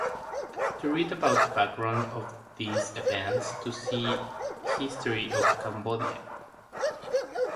To read about the background to these events, see History of Cambodia.